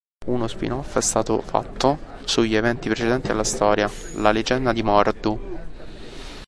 Uno spin-off è stato fatto sugli eventi precedenti alla storia, "La leggenda di Mor'du".